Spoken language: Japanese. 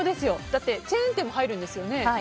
だってチェーン店も入るんですよね。